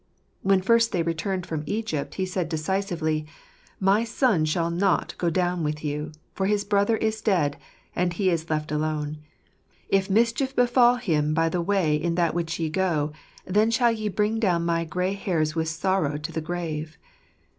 When first they returned from Egypt he said decisively, " My son shall not go down with you ; for his brother is dead, and he is left alone : if mischief befal him by the way in the which ye go, then shall ye bring down my grey hairs with sorrow to the grave."